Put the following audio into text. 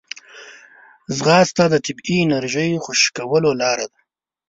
ځغاسته د طبیعي انرژۍ خوشې کولو لاره ده